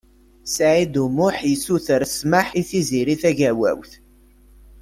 Saɛid U Muḥ yessuter smeḥ i Tiziri Tagawawt.